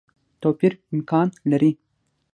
توپیر امکان لري.